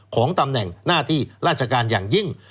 ของตำแหน่งหน้าที่ราชการอย่างยิ่ง